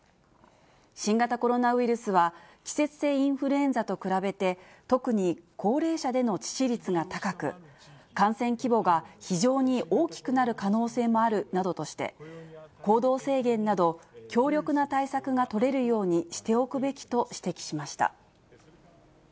新型コロナウイルスは、季節性インフルエンザと比べて、特に高齢者での致死率が高く、感染規模が非常に大きくなる可能性もあるなどとして、行動制限など、強力な対策が取れるようにしておくべきと指摘しました。